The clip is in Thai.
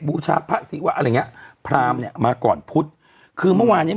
บูชาพระศิวะอะไรอย่างเงี้ยพรามเนี้ยมาก่อนพุธคือเมื่อวานเนี้ย